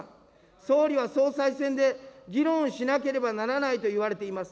総理は総裁選で、議論しなければならないといわれています。